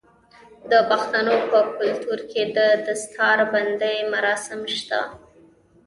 د پښتنو په کلتور کې د دستار بندی مراسم شته.